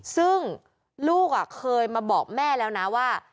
ซึ่งลูกเคยมาบอกแม่แล้วนะว่า